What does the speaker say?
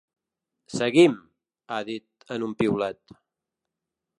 Seguim!, ha dit en un piulet.